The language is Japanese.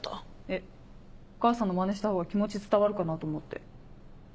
えっお母さんのマネしたほうが気持ち伝わるかなと思って。